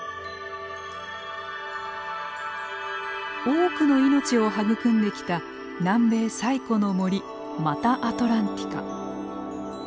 多くの命を育んできた南米最古の森マタアトランティカ。